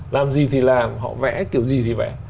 làm gì thì làm họ vẽ kiểu gì thì vẽ